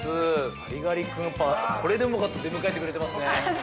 ガリガリ君やっぱりこれでもかと出迎えてくれてますね。